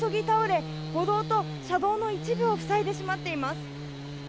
倒れ歩道と車道の一部を塞いでしまっています。